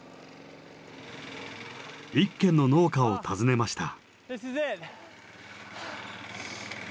一軒の農家を訪ねました。